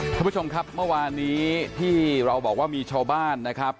ท่านผู้ชมครับเมื่อวานนี้ที่เราบอกว่ามีชาวบ้านนะครับ